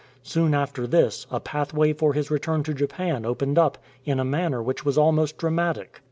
Soon after this a pathway for his return to Japan opened up in a manner which was almost dramatic.